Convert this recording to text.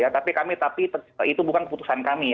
tapi itu bukan keputusan kami